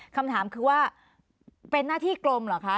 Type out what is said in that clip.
คำถามคือว่าเป็นหน้าที่กรมเหรอคะ